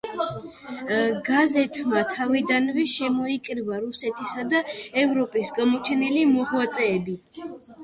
გაზეთმა თავიდანვე შემოიკრიბა რუსეთისა და ევროპის გამოჩენილი მოღვაწეები.